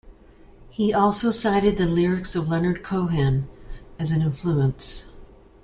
He also cited the lyrics of Leonard Cohen as an influence.